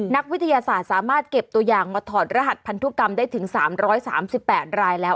นักวิทยาศาสตร์สามารถเก็บตัวอย่างมาถอดรหัสพันธุกรรมได้ถึง๓๓๘รายแล้ว